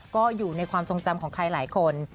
ก็อยู่ในความทรงจำของใครหลายคน